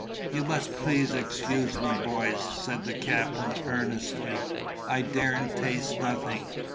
"You must please excuse me, boys," said the captain, earnestly. "I daren't taste nothing.